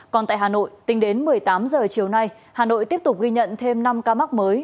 còn tại hà nội tính đến một mươi tám h chiều nay hà nội tiếp tục ghi nhận thêm năm ca mắc mới